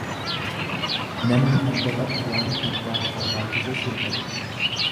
Namni farda qabu waan fardaaf barbaachisus hin dhabu.